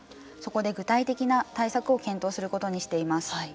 そこで具体的な対策を検討することにしています。